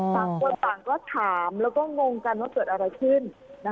ต่างคนต่างก็ถามแล้วก็งงกันว่าเกิดอะไรขึ้น